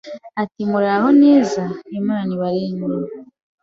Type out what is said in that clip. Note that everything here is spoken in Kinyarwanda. ati Muraho neza, Imana ibarinde